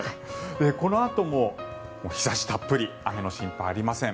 このあとも日差したっぷり雨の心配はありません。